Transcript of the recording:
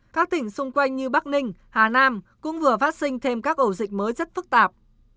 các tỉnh xung quanh như bắc ninh hà nam cũng vừa phát sinh thêm các ổ dịch mới rất phức tạp